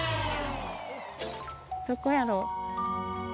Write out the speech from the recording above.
どこやろう？